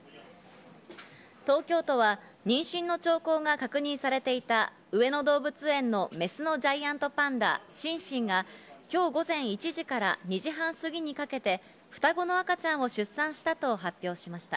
東京都は妊娠の兆候が確認されていた上野動物園のメスのジャイアントパンダ、シンシンが今日午前１時から２時半すぎにかけて双子の赤ちゃんを出産したと発表しました。